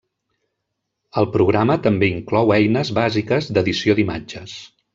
El programa també inclou eines bàsiques d'edició d'imatges.